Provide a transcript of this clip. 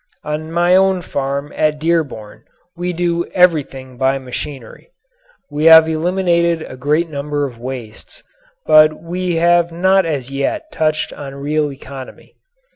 On my own farm at Dearborn we do everything by machinery. We have eliminated a great number of wastes, but we have not as yet touched on real economy.